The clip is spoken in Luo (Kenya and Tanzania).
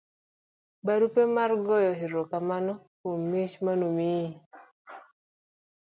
barupe mag goyo erokamano kuom mich manomiyi